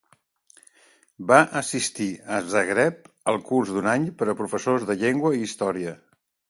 Va assistir a Zagreb al curs d'un any per a professors de llengua i història.